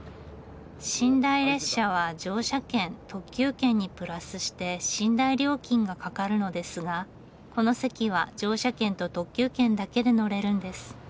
寝台列車は乗車券特急券にプラスして寝台料金がかかるのですがこの席は乗車券と特急券だけで乗れるんです。